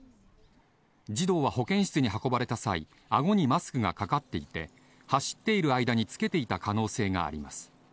児童は保健室に運ばれた際、あごにマスクがかかっていて、走っている間につけていた可能性があります。